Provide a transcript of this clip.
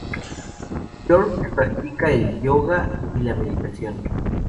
Yorke practica el yoga y la meditación.